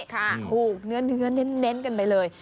ถูกเนื้อเน้นกันไปเลย